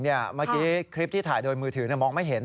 เมื่อกี้คลิปที่ถ่ายโดยมือถือมองไม่เห็น